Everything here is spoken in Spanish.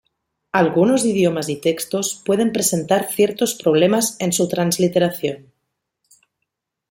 Algunos idiomas y textos pueden presentar ciertos problemas en su transliteración.